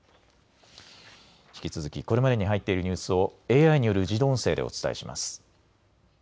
引き続きこれまでに入っているニュースをＡＩによる自動音声でお伝えします。